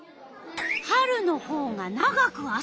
春のほうが長く遊べる。